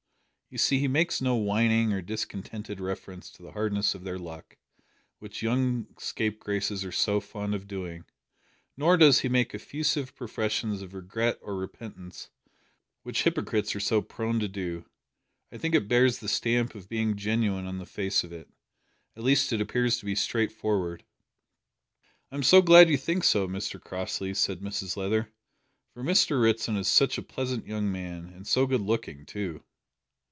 "You see he makes no whining or discontented reference to the hardness of their luck, which young scapegraces are so fond of doing; nor does he make effusive professions of regret or repentance, which hypocrites are so prone to do. I think it bears the stamp of being genuine on the face of it. At least it appears to be straightforward." "I'm so glad you think so, Mr Crossley," said Mrs Leather; "for Mr Ritson is such a pleasant young man and so good looking, too!"